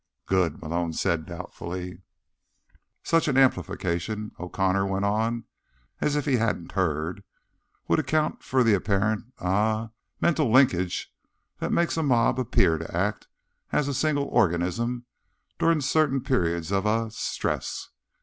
"Good," Malone said doubtfully. "Such an amplification," O'Connor went on, as if he hadn't heard, "would account for the apparent—ah—mental linkage that makes a mob appear to act as a single organism during certain periods of—ah— stress."